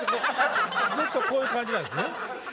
ずっとこういう感じなんですね。